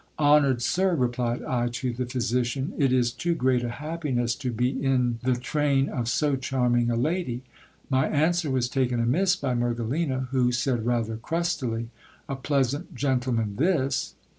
Honoured sir, replied I to the physician, it is too great a happiness to be in the THE JOURNEYMAN BARBER'S STORY. 63 train of so charming a lady. My answer was taken amiss by Mergelina, who said rather crustily, A pleasant gentleman this